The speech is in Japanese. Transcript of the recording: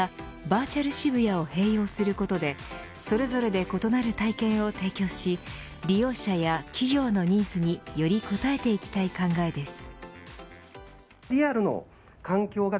バーチャル渋谷を併用することでそれぞれで異なる体験を提供し利用者や企業のニーズにより応えていきたい考えです。